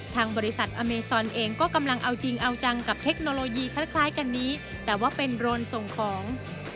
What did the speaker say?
ทางบริษัทอเมซอนเองก็กำลังเอาจริงเอาจังกับเทคโนโลยีคล้ายกันนี้แต่ว่าเป็นโรนส่งของ